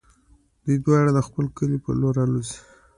دوی دواړه د خپل کلي په لور الوزي.